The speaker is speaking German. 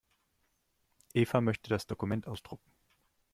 Eva möchte das Dokument ausdrucken.